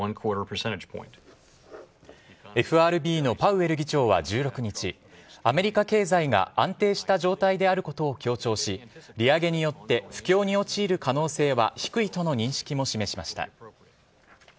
ＦＲＢのパウエル議長は１６日アメリカ経済が安定した状態であることを強調し利上げによって不況に陥る可能性は低いとの認識も示しました。